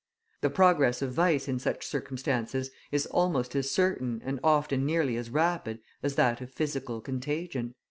The progress of vice in such circumstances is almost as certain and often nearly as rapid as that of physical contagion."